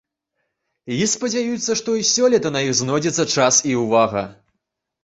І спадзяюцца, што і сёлета на іх знойдзецца час і ўвага.